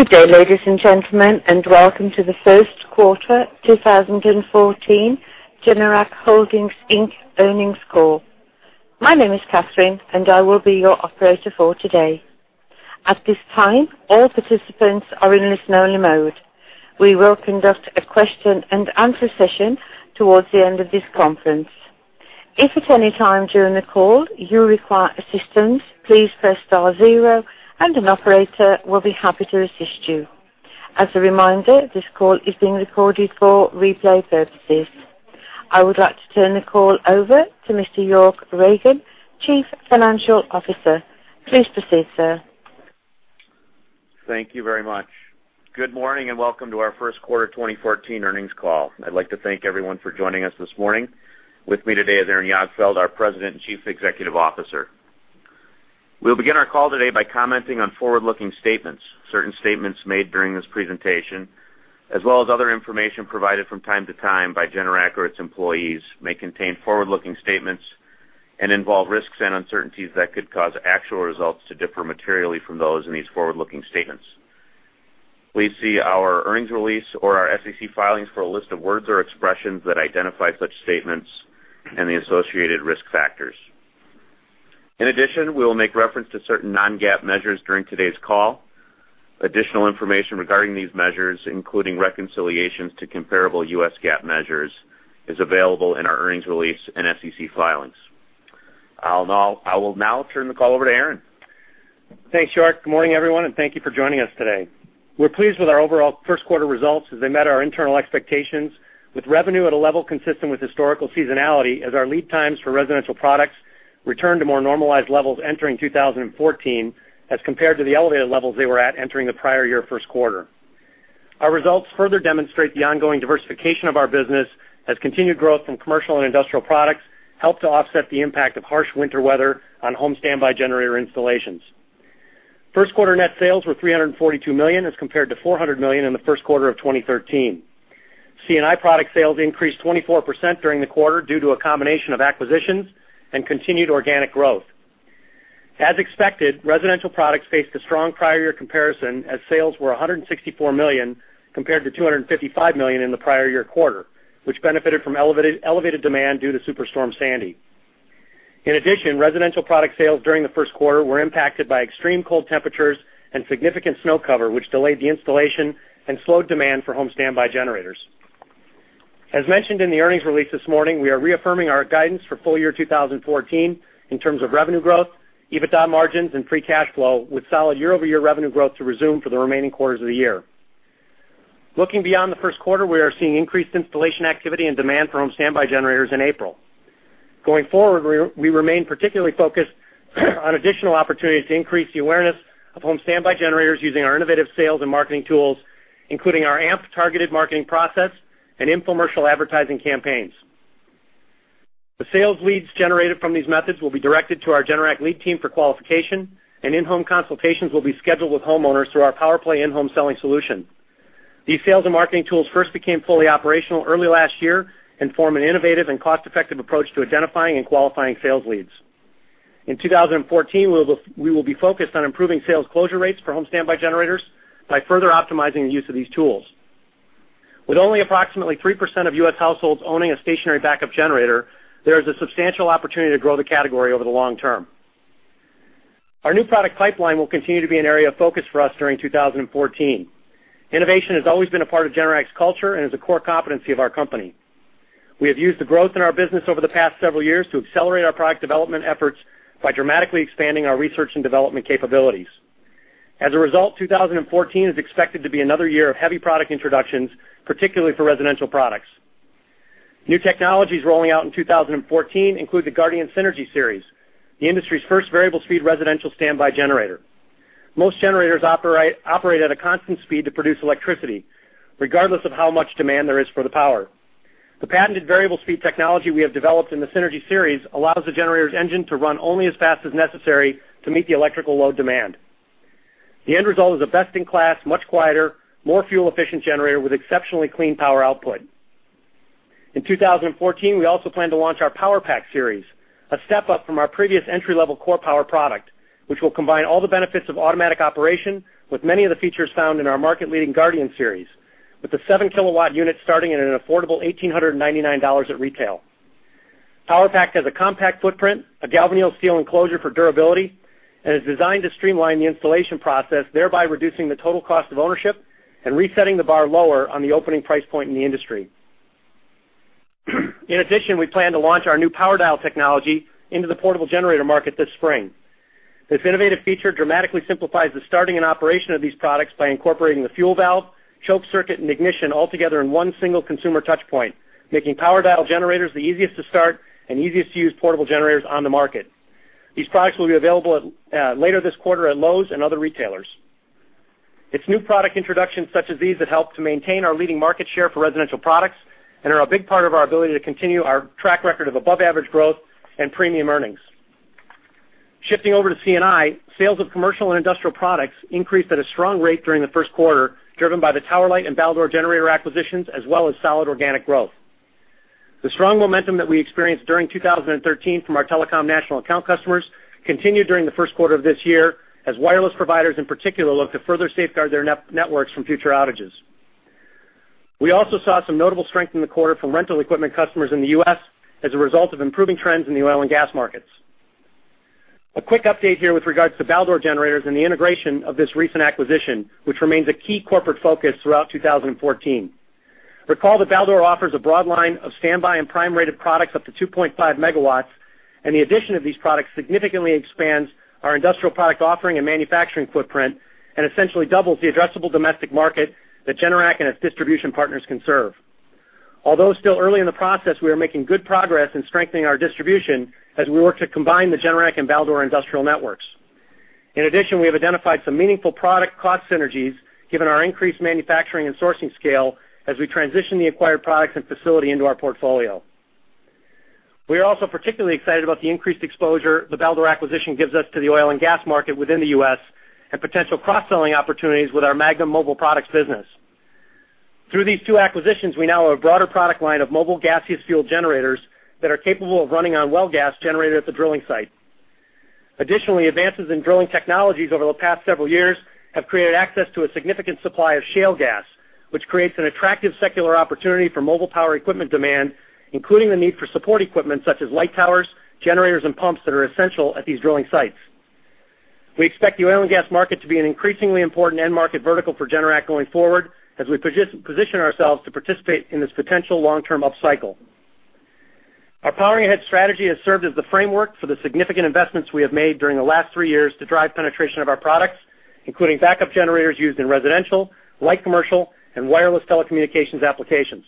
Good day, ladies and gentlemen, welcome to the first quarter 2014 Generac Holdings Inc earnings call. My name is Catherine, and I will be your operator for today. At this time, all participants are in listen only mode. We will conduct a question-and-answer session towards the end of this conference. If at any time during the call you require assistance, please press star zero and an operator will be happy to assist you. As a reminder, this call is being recorded for replay purposes. I would like to turn the call over to Mr. York Ragen, Chief Financial Officer. Please proceed, sir. Thank you very much. Good morning and welcome to our first quarter 2014 earnings call. I'd like to thank everyone for joining us this morning. With me today is Aaron Jagdfeld, our President and Chief Executive Officer. We'll begin our call today by commenting on forward-looking statements. Certain statements made during this presentation, as well as other information provided from time to time by Generac or its employees, may contain forward-looking statements and involve risks and uncertainties that could cause actual results to differ materially from those in these forward-looking statements. Please see our earnings release or our SEC filings for a list of words or expressions that identify such statements and the associated risk factors. In addition, we will make reference to certain non-GAAP measures during today's call. Additional information regarding these measures, including reconciliations to comparable US GAAP measures, is available in our earnings release and SEC filings. I will now turn the call over to Aaron. Thanks, York. Good morning, everyone, and thank you for joining us today. We're pleased with our overall first quarter results as they met our internal expectations, with revenue at a level consistent with historical seasonality as our lead times for residential products return to more normalized levels entering 2014 as compared to the elevated levels they were at entering the prior year first quarter. Our results further demonstrate the ongoing diversification of our business as continued growth from commercial and industrial products help to offset the impact of harsh winter weather on home standby generator installations. First quarter net sales were $342 million as compared to $400 million in the first quarter of 2013. C&I product sales increased 24% during the quarter due to a combination of acquisitions and continued organic growth. As expected, residential products faced a strong prior year comparison as sales were $164 million compared to $255 million in the prior year quarter, which benefited from elevated demand due to Superstorm Sandy. In addition, residential product sales during the first quarter were impacted by extreme cold temperatures and significant snow cover, which delayed the installation and slowed demand for home standby generators. As mentioned in the earnings release this morning, we are reaffirming our guidance for full year 2014 in terms of revenue growth, EBITDA margins and free cash flow with solid year-over-year revenue growth to resume for the remaining quarters of the year. Looking beyond the first quarter, we are seeing increased installation activity and demand for home standby generators in April. Going forward, we remain particularly focused on additional opportunities to increase the awareness of home standby generators using our innovative sales and marketing tools, including our AMP targeted marketing process and infomercial advertising campaigns. The sales leads generated from these methods will be directed to our Generac lead team for qualification, and in-home consultations will be scheduled with homeowners through our PowerPlay in-home selling solution. These sales and marketing tools first became fully operational early last year and form an innovative and cost-effective approach to identifying and qualifying sales leads. In 2014, we will be focused on improving sales closure rates for home standby generators by further optimizing the use of these tools. With only approximately 3% of U.S. households owning a stationary backup generator, there is a substantial opportunity to grow the category over the long-term. Our new product pipeline will continue to be an area of focus for us during 2014. Innovation has always been a part of Generac's culture and is a core competency of our company. We have used the growth in our business over the past several years to accelerate our product development efforts by dramatically expanding our research and development capabilities. As a result, 2014 is expected to be another year of heavy product introductions, particularly for residential products. New technologies rolling out in 2014 include the Guardian Synergy Series, the industry's first variable speed residential standby generator. Most generators operate at a constant speed to produce electricity, regardless of how much demand there is for the power. The patented variable speed technology we have developed in the Synergy Series allows the generator's engine to run only as fast as necessary to meet the electrical load demand. The end result is a best in class, much quieter, more fuel efficient generator with exceptionally clean power output. In 2014, we also plan to launch our PowerPact series, a step up from our previous entry level CorePower product, which will combine all the benefits of automatic operation with many of the features found in our market leading Guardian Series. With the 7 kW unit starting at an affordable $1,899 at retail. PowerPact has a compact footprint, a galvanneal steel enclosure for durability, and is designed to streamline the installation process, thereby reducing the total cost of ownership and resetting the bar lower on the opening price point in the industry. In addition, we plan to launch our new PowerDial technology into the portable generator market this spring. This innovative feature dramatically simplifies the starting and operation of these products by incorporating the fuel valve, choke circuit, and ignition altogether in one single consumer touch point, making PowerDial generators the easiest to start and easiest to use portable generators on the market. These products will be available later this quarter at Lowe's and other retailers. It's new product introductions such as these that help to maintain our leading market share for residential products and are a big part of our ability to continue our track record of above average growth and premium earnings. Shifting over to C&I, sales of commercial and industrial products increased at a strong rate during the first quarter, driven by the Tower Light and Baldor Generators acquisitions, as well as solid organic growth. The strong momentum that we experienced during 2013 from our telecom national account customers continued during the first quarter of this year as wireless providers, in particular, look to further safeguard their networks from future outages. We also saw some notable strength in the quarter from rental equipment customers in the U.S. as a result of improving trends in the oil and gas markets. A quick update here with regards to Baldor Generators and the integration of this recent acquisition, which remains a key corporate focus throughout 2014. Recall that Baldor offers a broad line of standby and prime-rated products up to 2.5 MW, and the addition of these products significantly expands our industrial product offering and manufacturing footprint and essentially doubles the addressable domestic market that Generac and its distribution partners can serve. Although still early in the process, we are making good progress in strengthening our distribution as we work to combine the Generac and Baldor industrial networks. In addition, we have identified some meaningful product cost synergies given our increased manufacturing and sourcing scale as we transition the acquired products and facility into our portfolio. We are also particularly excited about the increased exposure the Baldor acquisition gives us to the oil and gas market within the U.S. and potential cross-selling opportunities with our Magnum Products business. Through these two acquisitions, we now have a broader product line of mobile gaseous fuel generators that are capable of running on well gas generated at the drilling site. Additionally, advances in drilling technologies over the past several years have created access to a significant supply of shale gas, which creates an attractive secular opportunity for mobile power equipment demand, including the need for support equipment such as light towers, generators, and pumps that are essential at these drilling sites. We expect the oil and gas market to be an increasingly important end market vertical for Generac going forward as we position ourselves to participate in this potential long-term upcycle. Our Powering Ahead strategy has served as the framework for the significant investments we have made during the last three years to drive penetration of our products, including backup generators used in residential, light commercial, and wireless telecommunications applications.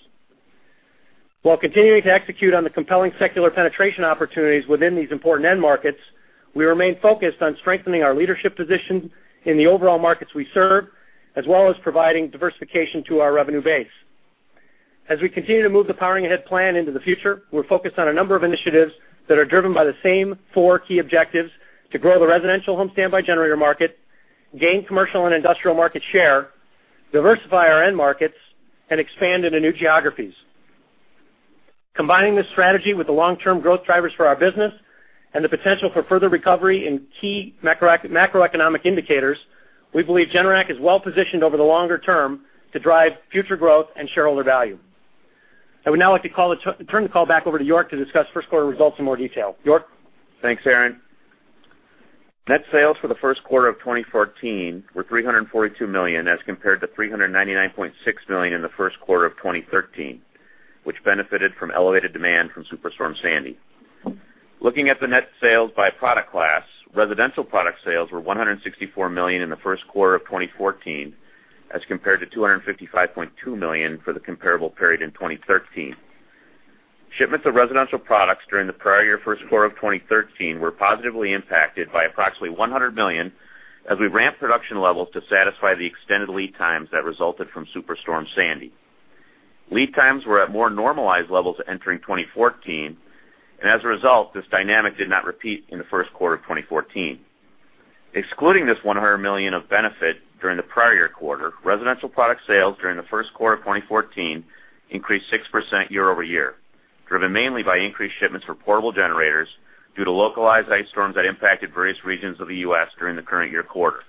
While continuing to execute on the compelling secular penetration opportunities within these important end markets, we remain focused on strengthening our leadership position in the overall markets we serve, as well as providing diversification to our revenue base. As we continue to move the Powering Ahead plan into the future, we're focused on a number of initiatives that are driven by the same four key objectives: to grow the residential home standby generator market, gain commercial and industrial market share, diversify our end markets, and expand into new geographies. Combining this strategy with the long-term growth drivers for our business and the potential for further recovery in key macroeconomic indicators, we believe Generac is well positioned over the longer-term to drive future growth and shareholder value. I would now like to turn the call back over to York to discuss first quarter results in more detail. York? Thanks, Aaron. Net sales for the first quarter of 2014 were $342 million as compared to $399.6 million in the first quarter of 2013, which benefited from elevated demand from Superstorm Sandy. Looking at the net sales by product class, residential product sales were $164 million in the first quarter of 2014 as compared to $255.2 million for the comparable period in 2013. Shipments of residential products during the prior year first quarter of 2013 were positively impacted by approximately $100 million as we ramped production levels to satisfy the extended lead times that resulted from Superstorm Sandy. Lead times were at more normalized levels entering 2014, and as a result, this dynamic did not repeat in the first quarter of 2014. Excluding this $100 million of benefit during the prior year quarter, residential product sales during the first quarter of 2014 increased 6% year-over-year, driven mainly by increased shipments for portable generators due to localized ice storms that impacted various regions of the U.S. during the current year quarter.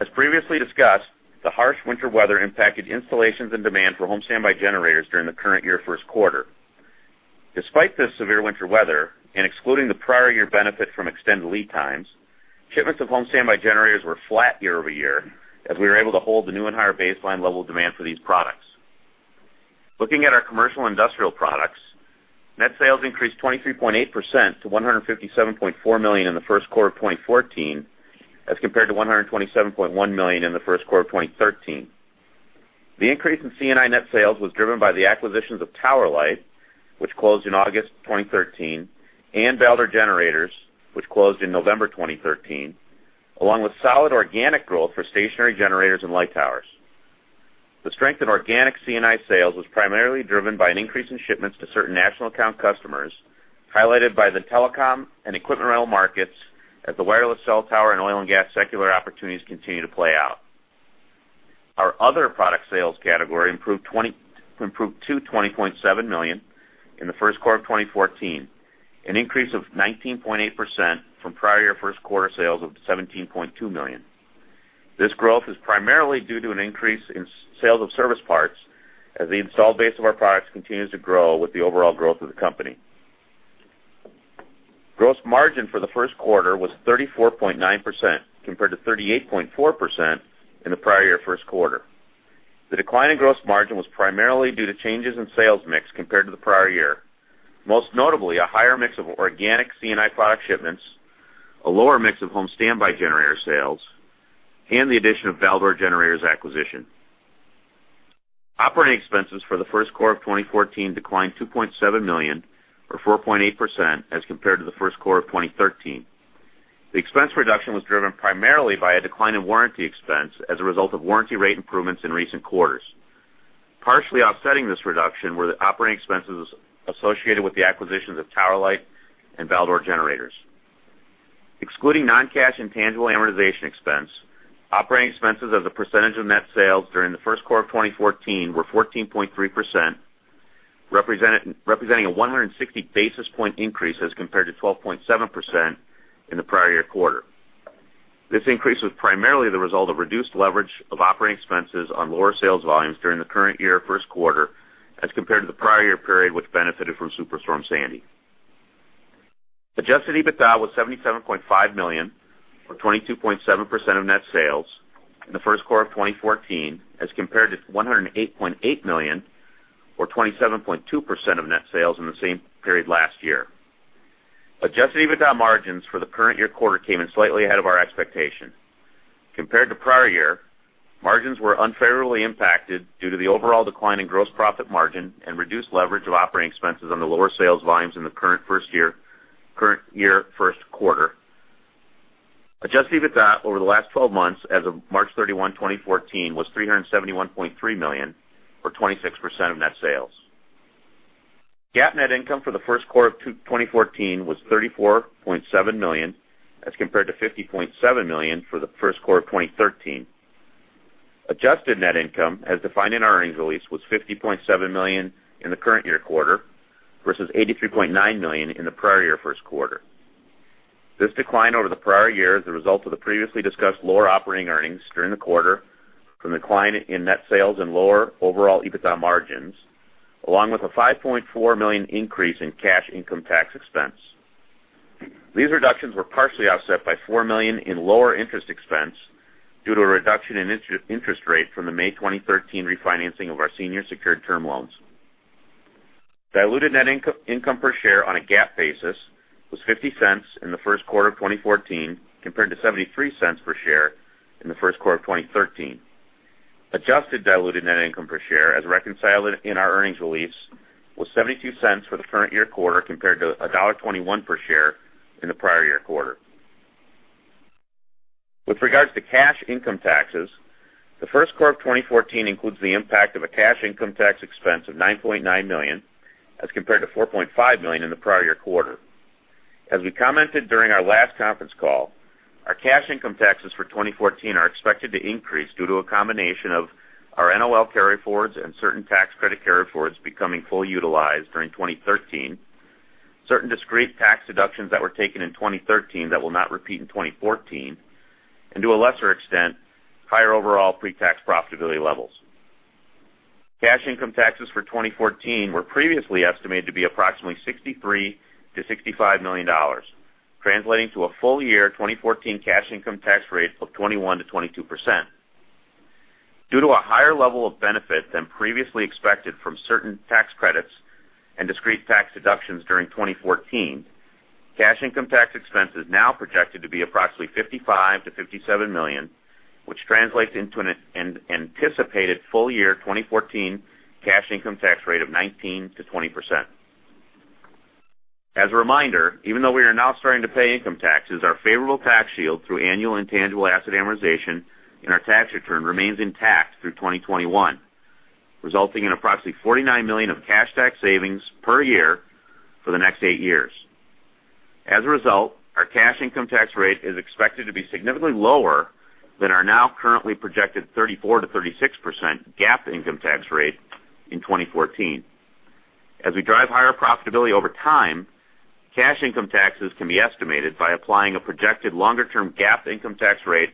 As previously discussed, the harsh winter weather impacted installations and demand for home standby generators during the current year first quarter. Despite this severe winter weather and excluding the prior year benefit from extended lead times, shipments of home standby generators were flat year-over-year as we were able to hold the new and higher baseline level of demand for these products. Looking at our commercial industrial products, net sales increased 23.8% to $157.4 million in the first quarter of 2014 as compared to $127.1 million in the first quarter of 2013. The increase in C&I net sales was driven by the acquisitions of Tower Light, which closed in August 2013, and Baldor Generators, which closed in November 2013, along with solid organic growth for stationary generators and light towers. The strength in organic C&I sales was primarily driven by an increase in shipments to certain national account customers, highlighted by the telecom and equipment rental markets as the wireless cell tower and oil and gas secular opportunities continue to play out. Our other product sales category improved to $20.7 million in the first quarter of 2014, an increase of 19.8% from prior year first quarter sales of $17.2 million. This growth is primarily due to an increase in sales of service parts as the installed base of our products continues to grow with the overall growth of the company. Gross margin for the first quarter was 34.9%, compared to 38.4% in the prior year first quarter. The decline in gross margin was primarily due to changes in sales mix compared to the prior year, most notably a higher mix of organic C&I product shipments, a lower mix of home standby generator sales, and the addition of Baldor Generators acquisition. Operating expenses for the first quarter of 2014 declined $2.7 million or 4.8% as compared to the first quarter of 2013. The expense reduction was driven primarily by a decline in warranty expense as a result of warranty rate improvements in recent quarters. Partially offsetting this reduction were the operating expenses associated with the acquisitions of Tower Light and Baldor Generators. Excluding non-cash and tangible amortization expense, operating expenses as a percentage of net sales during the first quarter of 2014 were 14.3%, representing a 160 basis point increase as compared to 12.7% in the prior year quarter. This increase was primarily the result of reduced leverage of operating expenses on lower sales volumes during the current year first quarter as compared to the prior year period, which benefited from Superstorm Sandy. Adjusted EBITDA was $77.5 million, or 22.7% of net sales in the first quarter of 2014 as compared to $108.8 million or 27.2% of net sales in the same period last year. Adjusted EBITDA margins for the current year quarter came in slightly ahead of our expectation. Compared to prior year, margins were unfavorably impacted due to the overall decline in gross profit margin and reduced leverage of operating expenses on the lower sales volumes in the current year first quarter. Adjusted EBITDA over the last 12 months as of March 31, 2014, was $371.3 million, or 26% of net sales. GAAP net income for the first quarter of 2014 was $34.7 million as compared to $50.7 million for the first quarter of 2013. Adjusted net income, as defined in our earnings release, was $50.7 million in the current year quarter versus $83.9 million in the prior year first quarter. This decline over the prior year is the result of the previously discussed lower operating earnings during the quarter from decline in net sales and lower overall EBITDA margins, along with a $5.4 million increase in cash income tax expense. These reductions were partially offset by $4 million in lower interest expense due to a reduction in interest rate from the May 2013 refinancing of our senior secured term loans. Diluted net income per share on a GAAP basis was $0.50 in the first quarter of 2014 compared to $0.73 per share in the first quarter of 2013. Adjusted diluted net income per share, as reconciled in our earnings release, was $0.72 for the current year quarter compared to $1.21 per share in the prior year quarter. With regards to cash income taxes, the first quarter of 2014 includes the impact of a cash income tax expense of $9.9 million as compared to $4.5 million in the prior year quarter. As we commented during our last conference call, our cash income taxes for 2014 are expected to increase due to a combination of our NOL carryforwards and certain tax credit carryforwards becoming fully utilized during 2013, certain discrete tax deductions that were taken in 2013 that will not repeat in 2014, and to a lesser extent, higher overall pre-tax profitability levels. Cash income taxes for 2014 were previously estimated to be approximately $63 million-$65 million, translating to a full-year 2014 cash income tax rate of 21%-22%. Due to a higher level of benefit than previously expected from certain tax credits and discrete tax deductions during 2014, cash income tax expense is now projected to be approximately $55 million-$57 million, which translates into an anticipated full-year 2014 cash income tax rate of 19%-20%. As a reminder, even though we are now starting to pay income taxes, our favorable tax shield through annual intangible asset amortization in our tax return remains intact through 2021, resulting in approximately $49 million of cash tax savings per year for the next eight years. As a result, our cash income tax rate is expected to be significantly lower than our now currently projected 34%-36% GAAP income tax rate in 2014. As we drive higher profitability over time, cash income taxes can be estimated by applying a projected longer-term GAAP income tax rate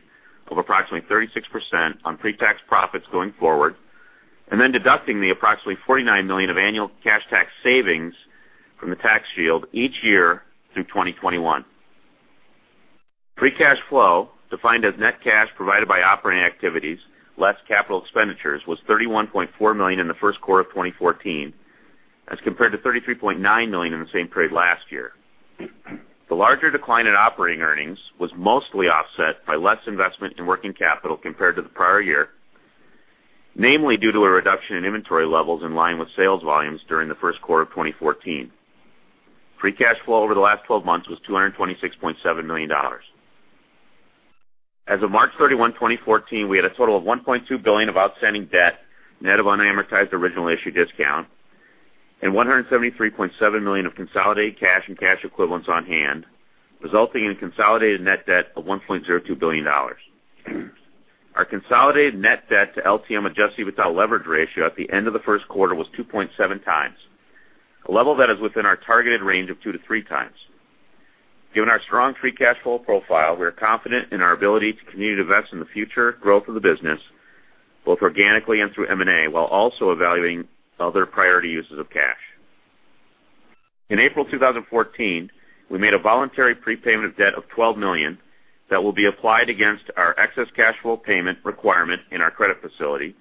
of approximately 36% on pre-tax profits going forward, and then deducting the approximately $49 million of annual cash tax savings from the tax shield each year through 2021. Free cash flow, defined as net cash provided by operating activities, less capital expenditures, was $31.4 million in the first quarter of 2014 as compared to $33.9 million in the same period last year. The larger decline in operating earnings was mostly offset by less investment in working capital compared to the prior year, namely due to a reduction in inventory levels in line with sales volumes during the first quarter of 2014. Free cash flow over the last 12 months was $226.7 million. As of March 31, 2014, we had a total of $1.2 billion of outstanding debt net of unamortized original issue discount and $173.7 million of consolidated cash and cash equivalents on hand, resulting in consolidated net debt of $1.02 billion. Our consolidated net debt to LTM adjusted EBITDA leverage ratio at the end of the first quarter was 2.7x, a level that is within our targeted range of 2-3x. Given our strong free cash flow profile, we are confident in our ability to continue to invest in the future growth of the business, both organically and through M&A, while also evaluating other priority uses of cash. In April 2014, we made a voluntary prepayment of debt of $12 million that will be applied against our excess cash flow payment requirement in our credit facility,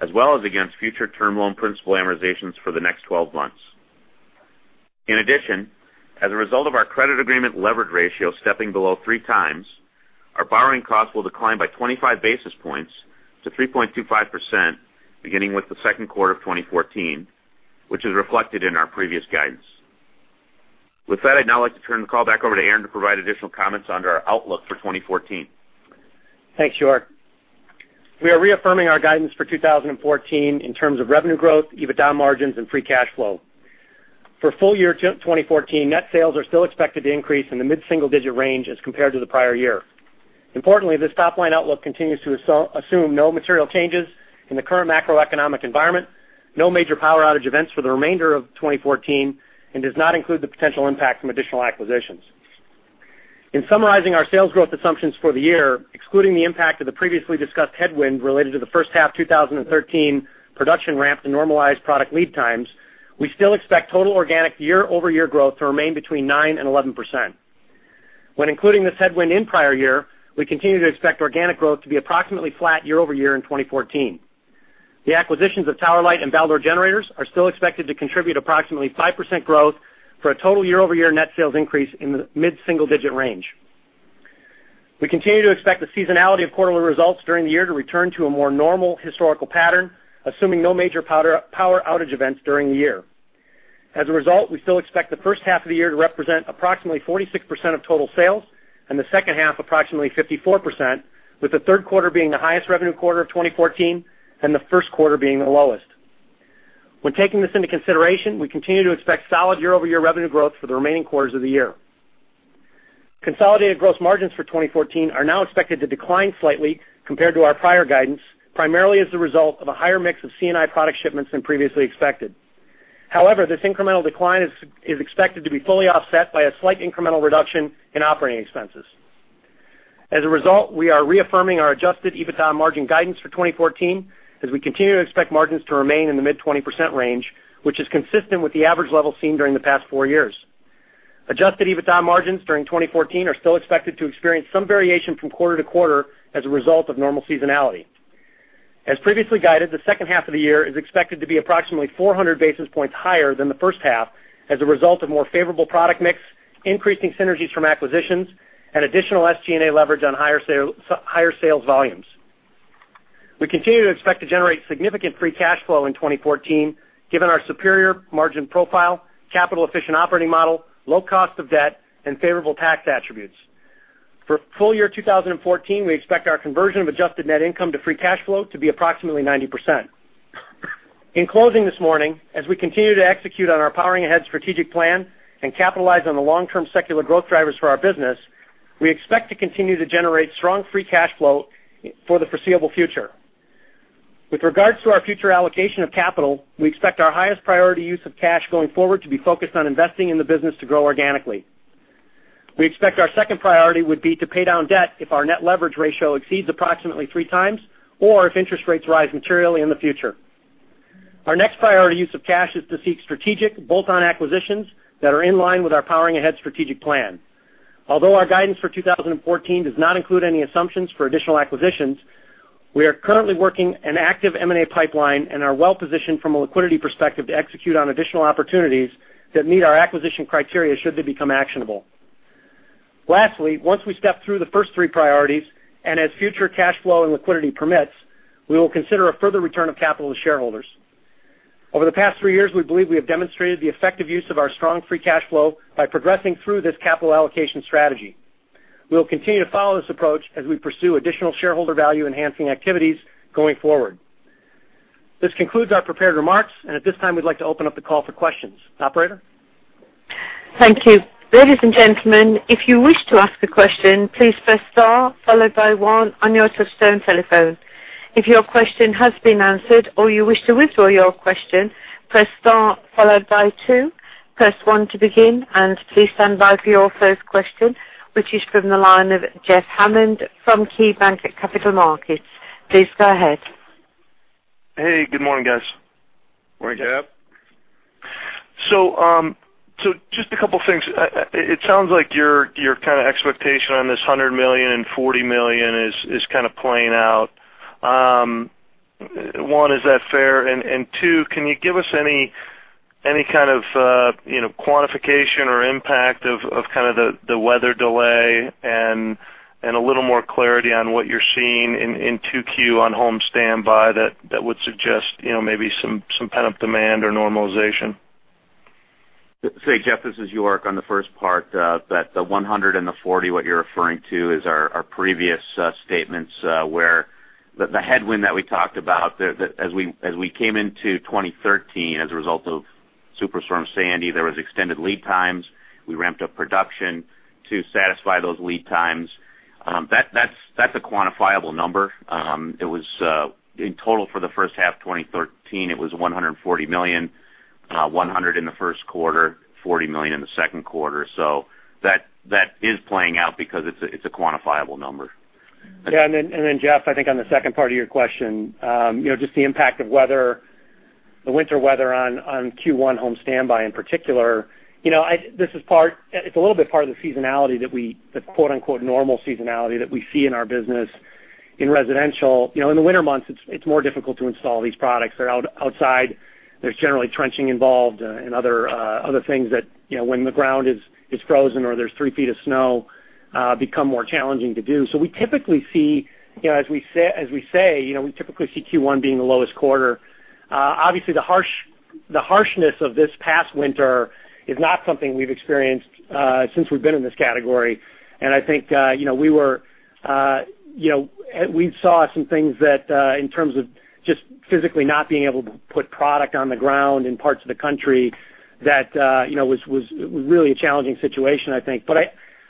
as well as against future term loan principal amortizations for the next 12 months. In addition, as a result of our credit agreement leverage ratio stepping below 3x, our borrowing costs will decline by 25 basis points to 3.25%, beginning with the second quarter of 2014, which is reflected in our previous guidance. With that, I would now like to turn the call back over to Aaron to provide additional comments on our outlook for 2014. Thanks, York. We are reaffirming our guidance for 2014 in terms of revenue growth, EBITDA margins, and free cash flow. For full year 2014, net sales are still expected to increase in the mid-single-digit range as compared to the prior year. Importantly, this top-line outlook continues to assume no material changes in the current macroeconomic environment, no major power outage events for the remainder of 2014, and does not include the potential impact from additional acquisitions. In summarizing our sales growth assumptions for the year, excluding the impact of the previously discussed headwind related to the first half 2013 production ramp to normalized product lead times, we still expect total organic year-over-year growth to remain between 9% and 11%. When including this headwind in prior year, we continue to expect organic growth to be approximately flat year-over-year in 2014. The acquisitions of Tower Light and Baldor Generators are still expected to contribute approximately 5% growth for a total year-over-year net sales increase in the mid-single-digit range. We continue to expect the seasonality of quarterly results during the year to return to a more normal historical pattern, assuming no major power outage events during the year. As a result, we still expect the first half of the year to represent approximately 46% of total sales and the second half approximately 54%, with the third quarter being the highest revenue quarter of 2014 and the first quarter being the lowest. When taking this into consideration, we continue to expect solid year-over-year revenue growth for the remaining quarters of the year. Consolidated gross margins for 2014 are now expected to decline slightly compared to our prior guidance, primarily as the result of a higher mix of C&I product shipments than previously expected. This incremental decline is expected to be fully offset by a slight incremental reduction in operating expenses. As a result, we are reaffirming our adjusted EBITDA margin guidance for 2014 as we continue to expect margins to remain in the mid-20% range, which is consistent with the average level seen during the past four years. Adjusted EBITDA margins during 2014 are still expected to experience some variation from quarter to quarter as a result of normal seasonality. As previously guided, the second half of the year is expected to be approximately 400 basis points higher than the first half as a result of more favorable product mix, increasing synergies from acquisitions, and additional SG&A leverage on higher sales volumes. We continue to expect to generate significant free cash flow in 2014, given our superior margin profile, capital-efficient operating model, low cost of debt, and favorable tax attributes. For full year 2014, we expect our conversion of adjusted net income to free cash flow to be approximately 90%. In closing this morning, as we continue to execute on our Powering Ahead strategic plan and capitalize on the long-term secular growth drivers for our business, we expect to continue to generate strong free cash flow for the foreseeable future. With regards to our future allocation of capital, we expect our highest priority use of cash going forward to be focused on investing in the business to grow organically. We expect our second priority would be to pay down debt if our net leverage ratio exceeds approximately 3x or if interest rates rise materially in the future. Our next priority use of cash is to seek strategic bolt-on acquisitions that are in line with our Powering Ahead strategic plan. Our guidance for 2014 does not include any assumptions for additional acquisitions, we are currently working an active M&A pipeline and are well-positioned from a liquidity perspective to execute on additional opportunities that meet our acquisition criteria should they become actionable. Lastly, once we step through the first three priorities and as future cash flow and liquidity permits, we will consider a further return of capital to shareholders. Over the past three years, we believe we have demonstrated the effective use of our strong free cash flow by progressing through this capital allocation strategy. We will continue to follow this approach as we pursue additional shareholder value-enhancing activities going forward. This concludes our prepared remarks, and at this time, we'd like to open up the call for questions. Operator? Thank you. Ladies and gentlemen, if you wish to ask a question, please press star followed by one on your touchtone telephone. If your question has been answered or you wish to withdraw your question, press star followed by two. Press one to begin, and please stand by for your first question, which is from the line of Jeff Hammond from KeyBanc Capital Markets. Please go ahead. Hey, good morning, guys. Morning, Jeff. Just a couple things. It sounds like your expectation on this $100 million and $40 million is kind of playing out. One, is that fair? Two, can you give us any kind of quantification or impact of the weather delay and a little more clarity on what you're seeing in 2Q on home standby that would suggest maybe some pent-up demand or normalization? Say, Jeff, this is York on the first part. That the $100 and the $40 what you're referring to is our previous statements where the headwind that we talked about as we came into 2013 as a result of Superstorm Sandy. There was extended lead times. We ramped up production to satisfy those lead times. That's a quantifiable number. In total for the first half of 2013, it was $140 million, $100 million in the first quarter, $40 million in the second quarter. That is playing out because it's a quantifiable number. Yeah. Jeff, I think on the second part of your question, just the impact of the winter weather on Q1 home standby in particular. It's a little bit part of the seasonality that we, the "normal seasonality" that we see in our business in residential. In the winter months, it's more difficult to install these products. They're outside. There's generally trenching involved and other things that when the ground is frozen or there's three feet of snow, become more challenging to do. As we say, we typically see Q1 being the lowest quarter. Obviously the harshness of this past winter is not something we've experienced since we've been in this category. I think we saw some things that, in terms of just physically not being able to put product on the ground in parts of the country, that was really a challenging situation, I think.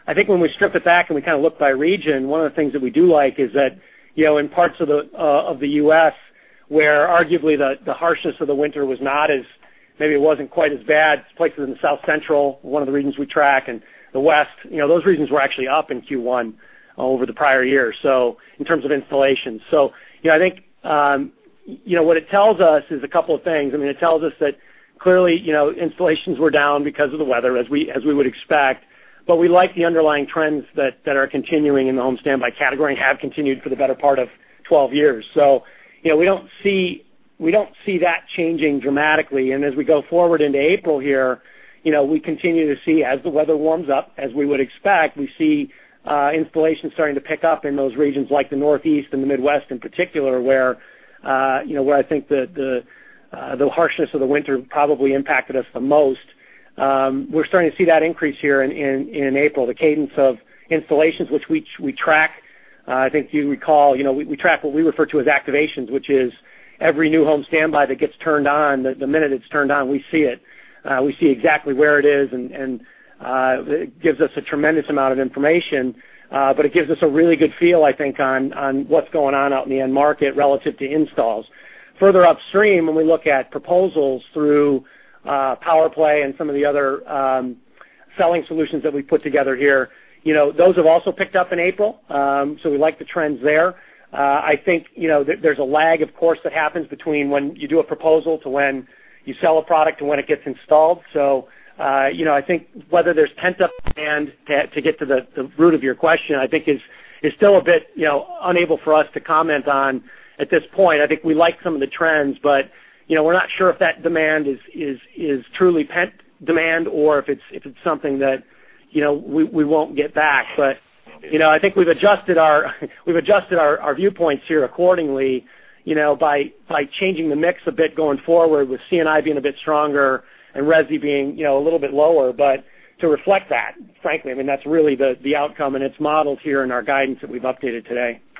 I think when we strip it back and we look by region, one of the things that we do like is that in parts of the U.S. where arguably the harshness of the winter maybe it wasn't quite as bad, places in the South Central, one of the regions we track, and the West, those regions were actually up in Q1 over the prior year in terms of installations. I think what it tells us is a couple of things. It tells us that clearly, installations were down because of the weather, as we would expect. We like the underlying trends that are continuing in the home standby category and have continued for the better part of 12 years. We don't see that changing dramatically. As we go forward into April here, we continue to see, as the weather warms up, as we would expect, we see installations starting to pick up in those regions like the Northeast and the Midwest in particular, where I think the harshness of the winter probably impacted us the most. We're starting to see that increase here in April, the cadence of installations, which we track. I think you recall, we track what we refer to as activations, which is every new home standby that gets turned on, the minute it's turned on, we see it. We see exactly where it is, and it gives us a tremendous amount of information. It gives us a really good feel, I think, on what's going on out in the end market relative to installs. Further upstream, when we look at proposals through PowerPlay and some of the other selling solutions that we've put together here, those have also picked up in April. We like the trends there. I think there's a lag, of course, that happens between when you do a proposal to when you sell a product to when it gets installed. I think whether there's pent-up demand, to get to the root of your question, I think is still a bit unable for us to comment on at this point. I think we like some of the trends, but we're not sure if that demand is truly pent demand or if it's something that we won't get back. I think we've adjusted our viewpoints here accordingly, by changing the mix a bit going forward with C&I being a bit stronger and resi being a little bit lower. To reflect that, frankly, that's really the outcome, and it's modeled here in our guidance that we've updated today. Okay,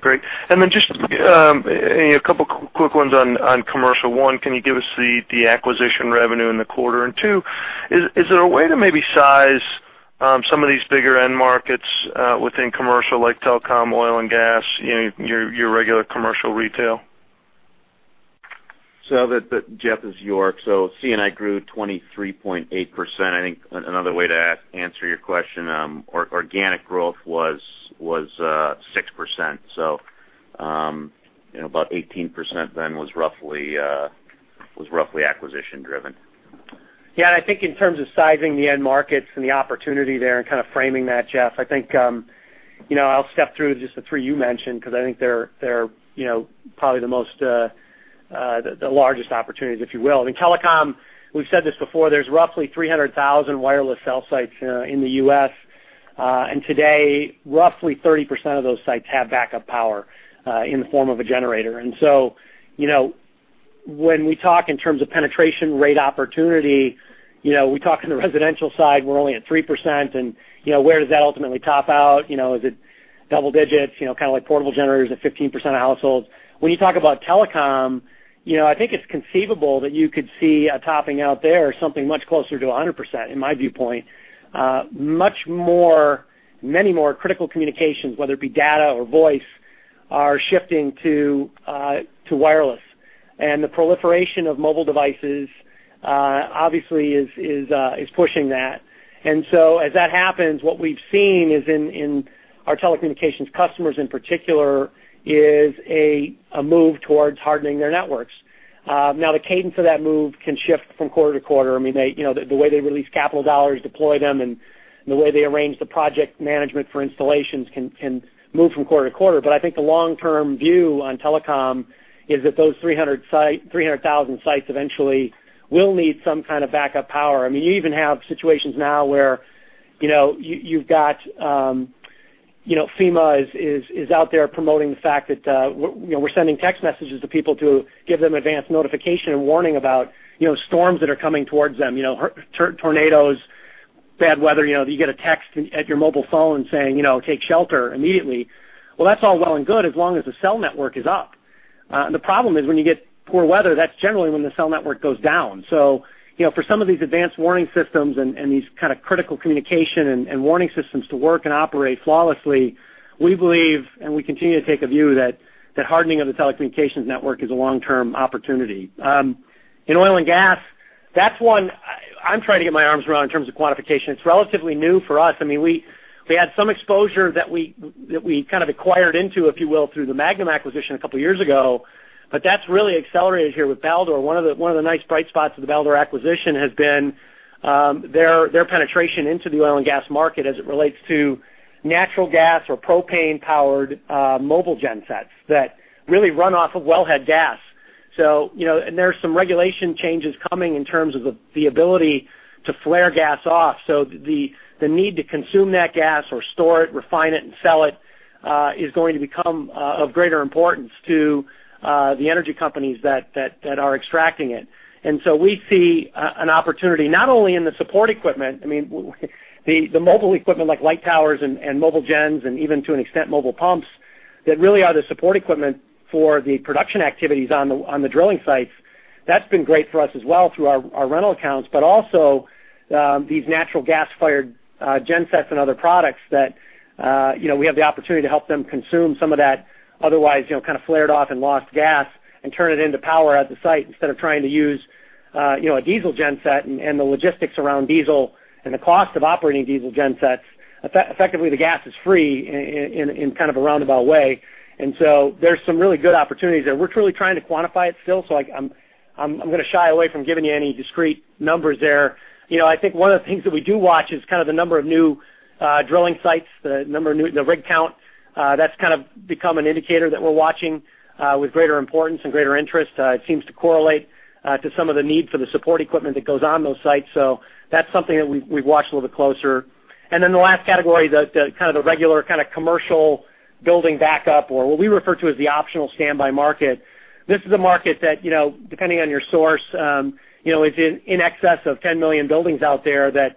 great. Then just a couple quick ones on commercial. One, can you give us the acquisition revenue in the quarter? Two, is there a way to maybe size some of these bigger end markets within commercial, like telecom, oil and gas, your regular commercial retail? Jeff, this is York. C&I grew 23.8%. I think another way to answer your question, organic growth was 6%. About 18% then was roughly acquisition-driven. I think in terms of sizing the end markets and the opportunity there and kind of framing that, Jeff, I think I'll step through just the three you mentioned, because I think they're probably the largest opportunities, if you will. In telecom, we've said this before, there's roughly 300,000 wireless cell sites in the U.S. Today, roughly 30% of those sites have backup power in the form of a generator. When we talk in terms of penetration rate opportunity, we talk in the residential side, we're only at 3%, and where does that ultimately top out? Is it double-digits, kind of like portable generators at 15% of households? When you talk about telecom, I think it's conceivable that you could see a topping out there something much closer to 100%, in my viewpoint. Much more, many more critical communications, whether it be data or voice, are shifting to wireless. The proliferation of mobile devices obviously is pushing that. As that happens, what we've seen is in our telecommunications customers in particular, is a move towards hardening their networks. The cadence of that move can shift from quarter to quarter. The way they release capital dollars, deploy them, and the way they arrange the project management for installations can move from quarter to quarter. I think the long-term view on telecom is that those 300,000 sites eventually will need some kind of backup power. You even have situations now where FEMA is out there promoting the fact that we're sending text messages to people to give them advanced notification and warning about storms that are coming towards them, tornadoes, bad weather, that you get a text at your mobile phone saying, "Take shelter immediately." That's all well and good as long as the cell network is up. The problem is when you get poor weather, that's generally when the cell network goes down. For some of these advanced warning systems and these kind of critical communication and warning systems to work and operate flawlessly, we believe, and we continue to take a view that hardening of the telecommunications network is a long-term opportunity. In oil and gas, that's one I'm trying to get my arms around in terms of quantification. It's relatively new for us. We had some exposure that we kind of acquired into, if you will, through the Magnum acquisition a couple of years ago. That's really accelerated here with Baldor. One of the nice bright spots of the Baldor acquisition has been their penetration into the oil and gas market as it relates to natural gas or propane-powered mobile gen sets that really run off of wellhead gas. There are some regulation changes coming in terms of the ability to flare gas off. The need to consume that gas or store it, refine it, and sell it is going to become of greater importance to the energy companies that are extracting it. We see an opportunity not only in the support equipment. I mean, the mobile equipment like light towers and mobile gens and even to an extent mobile pumps that really are the support equipment for the production activities on the drilling sites, that's been great for us as well through our rental accounts, but also these natural gas-fired gensets and other products that we have the opportunity to help them consume some of that otherwise flared off and lost gas and turn it into power at the site instead of trying to use a diesel genset and the logistics around diesel and the cost of operating diesel gensets. Effectively, the gas is free in kind of a roundabout way, there's some really good opportunities there. We're truly trying to quantify it still, I'm going to shy away from giving you any discrete numbers there. I think one of the things that we do watch is kind of the number of new drilling sites, the rig count. That's kind of become an indicator that we're watching with greater importance and greater interest. It seems to correlate to some of the need for the support equipment that goes on those sites. That's something that we've watched a little bit closer. Then the last category, the kind of the regular kind of commercial building backup or what we refer to as the optional standby market. This is a market that, depending on your source, is in excess of 10 million buildings out there that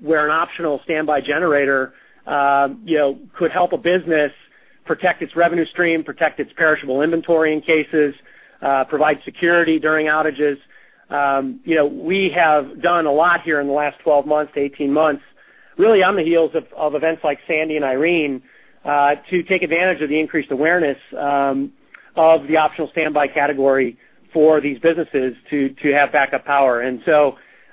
where an optional standby generator could help a business protect its revenue stream, protect its perishable inventory in cases, provide security during outages. We have done a lot here in the last 12 months to 18 months, really on the heels of events like Sandy and Irene, to take advantage of the increased awareness of the optional standby category for these businesses to have backup power.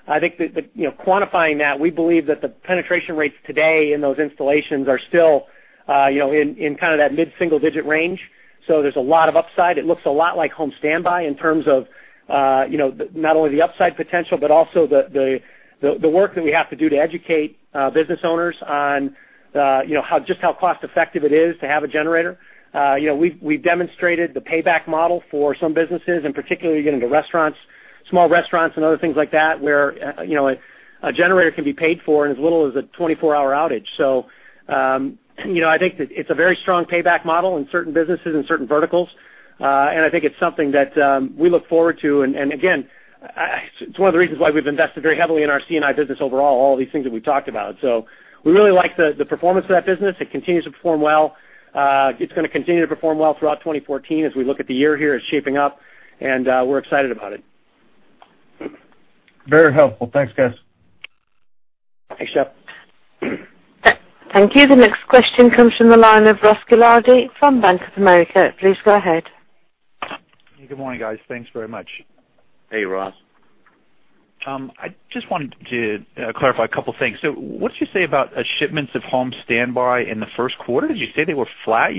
I think that quantifying that, we believe that the penetration rates today in those installations are still in kind of that mid-single-digit range. There's a lot of upside. It looks a lot like home standby in terms of not only the upside potential, but also the work that we have to do to educate business owners on just how cost-effective it is to have a generator. We've demonstrated the payback model for some businesses, and particularly, again, the restaurants, small restaurants and other things like that, where a generator can be paid for in as little as a 24-hour outage. I think that it's a very strong payback model in certain businesses, in certain verticals. I think it's something that we look forward to. Again, it's one of the reasons why we've invested very heavily in our C&I business overall, all these things that we've talked about. We really like the performance of that business. It continues to perform well. It's going to continue to perform well throughout 2014 as we look at the year here. It's shaping up, and we're excited about it. Very helpful. Thanks, guys. Thanks, Jeff. Thank you. The next question comes from the line of Ross Gilardi from Bank of America. Please go ahead. Good morning, guys. Thanks very much. Hey, Ross. I just wanted to clarify a couple of things. What'd you say about shipments of home standby in the first quarter? Did you say they were flat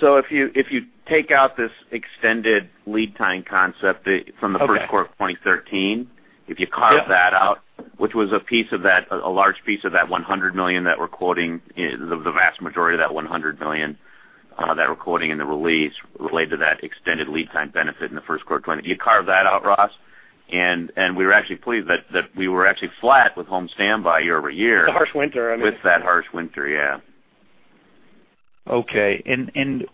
year-over-year? If you take out this extended lead time concept from the first quarter of 2013. Okay If you carve that out, which was a large piece of that $100 million that we're quoting, the vast majority of that $100 million that we're quoting in the release related to that extended lead time benefit in the first quarter, if you carve that out, Ross, and we were actually pleased that we were actually flat with home standby year-over-year. The harsh winter, I mean. With that harsh winter, yeah. Okay.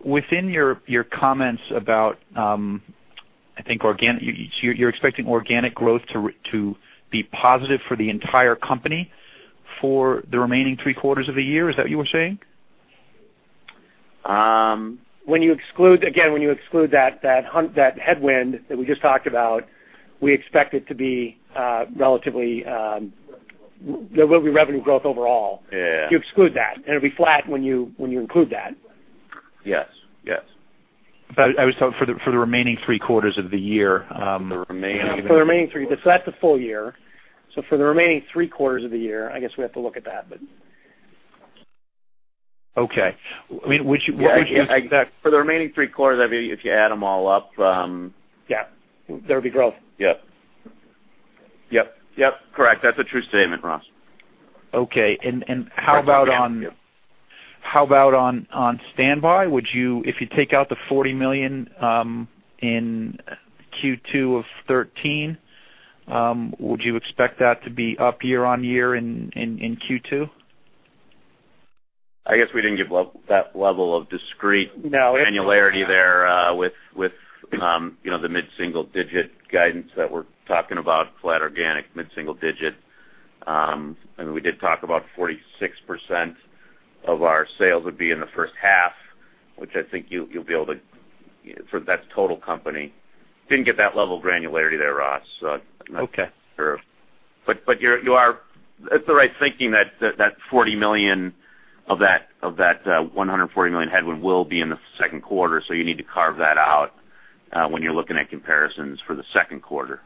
Within your comments about, I think, you're expecting organic growth to be positive for the entire company for the remaining three quarters of the year. Is that what you were saying? Again, when you exclude that headwind that we just talked about, we expect it to be there will be revenue growth overall. Yeah. You exclude that, and it'll be flat when you include that. Yes. I was talking for the remaining three quarters of the year. For the remaining- For the remaining three. That's the full year. For the remaining three quarters of the year, I guess we have to look at that. Okay. Would you- For the remaining three quarters, if you add them all up. Yeah. There would be growth. Yep. Yep. Yep, correct. That's a true statement, Ross. Okay. How about on standby? If you take out the $40 million in Q2 of 2013, would you expect that to be up year-on-year in Q2? I guess we didn't give that level of discrete.. No. Granularity there with the mid-single-digit guidance that we're talking about, flat organic mid-single-digit. We did talk about 46% of our sales would be in the first half, which I think you'll be able to. So that's total company. Didn't get that level of granularity there, Ross. Okay. That's the right thinking that $40 million of that $140 million headwind will be in the second quarter. You need to carve that out when you're looking at comparisons for the second quarter.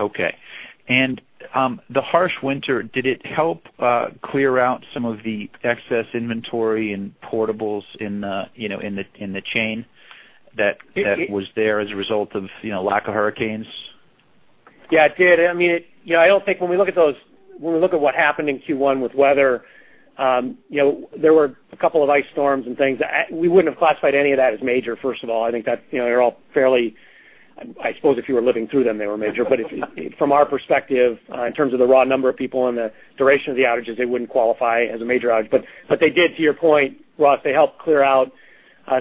Okay. The harsh winter, did it help clear out some of the excess inventory and portables in the chain that was there as a result of lack of hurricanes? Yeah, it did. I don't think when we look at what happened in Q1 with weather, there were a couple of ice storms and things. We wouldn't have classified any of that as major, first of all. I think that they're all fairly. I suppose if you were living through them, they were major. From our perspective, in terms of the raw number of people and the duration of the outages, they wouldn't qualify as a major outage. They did, to your point, Ross, they helped clear out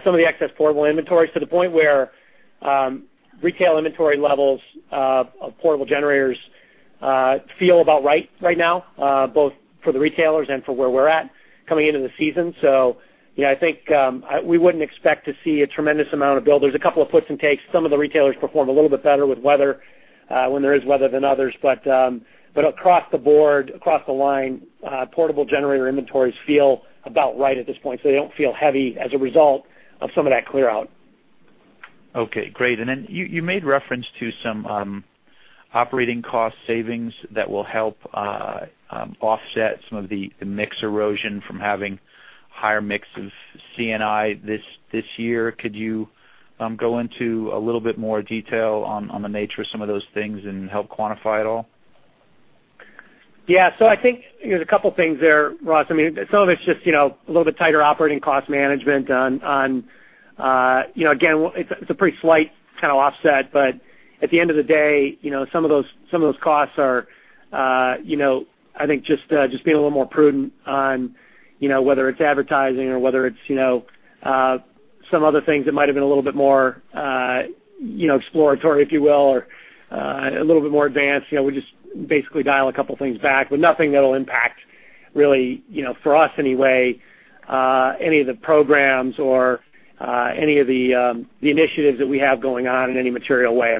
some of the excess portable inventory to the point where retail inventory levels of portable generators feel about right now, both for the retailers and for where we're at coming into the season. Yeah, I think we wouldn't expect to see a tremendous amount of build. There's a couple of puts and takes. Some of the retailers perform a little bit better with weather, when there is weather, than others. Across the board, across the line, portable generator inventories feel about right at this point. They don't feel heavy as a result of some of that clear out. Okay, great. You made reference to some operating cost savings that will help offset some of the mix erosion from having higher mix of C&I this year. Could you go into a little bit more detail on the nature of some of those things and help quantify it all? Yeah. I think there's a couple of things there, Ross. Some of it's just a little bit tighter operating cost management on, again, it's a pretty slight kind of offset, but at the end of the day, some of those costs are I think just being a little more prudent on whether it's advertising or whether it's some other things that might've been a little bit more exploratory, if you will, or a little bit more advanced. We just basically dial a couple of things back, nothing that'll impact really, for us anyway, any of the programs or any of the initiatives that we have going on in any material way. I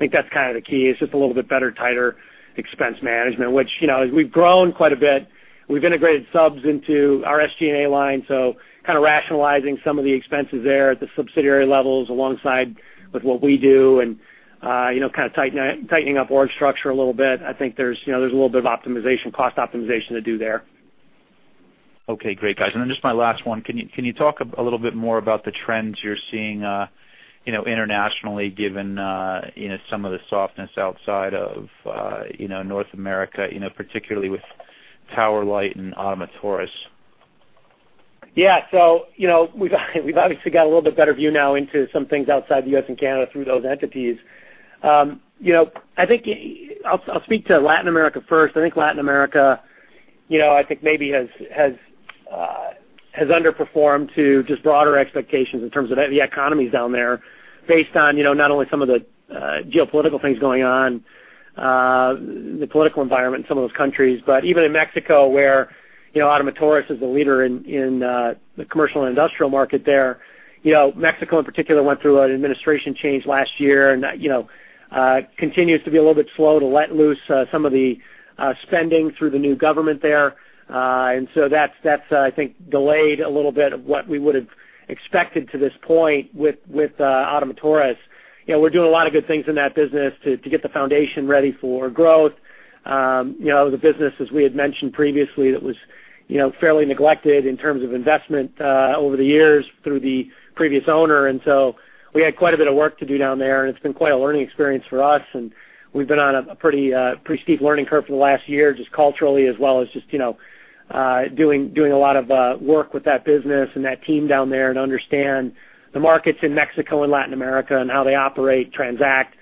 think that's kind of the key. It's just a little bit better, tighter expense management, which, as we've grown quite a bit, we've integrated subs into our SG&A line, kind of rationalizing some of the expenses there at the subsidiary levels alongside with what we do and kind of tightening up org structure a little bit. I think there's a little bit of optimization, cost optimization to do there. Okay, great, guys. Just my last one, can you talk a little bit more about the trends you're seeing internationally given some of the softness outside of North America, particularly with Tower Light and Ottomotores? Yeah. We've obviously got a little bit better view now into some things outside the U.S. and Canada through those entities. I'll speak to Latin America first. I think Latin America maybe has underperformed to just broader expectations in terms of the economies down there based on not only some of the geopolitical things going on, the political environment in some of those countries, but even in Mexico, where Ottomotores is a leader in the commercial and industrial market there. Mexico in particular went through an administration change last year and continues to be a little bit slow to let loose some of the spending through the new government there. That's, I think, delayed a little bit of what we would've expected to this point with Ottomotores. We're doing a lot of good things in that business to get the foundation ready for growth. The business, as we had mentioned previously, that was fairly neglected in terms of investment over the years through the previous owner, we had quite a bit of work to do down there, it's been quite a learning experience for us, we've been on a pretty steep learning curve for the last year, just culturally as well as just doing a lot of work with that business and that team down there to understand the markets in Mexico and Latin America and how they operate, transact,